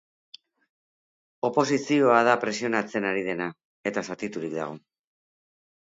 Oposizioa da presionatzen ari dena, eta zatiturik dago.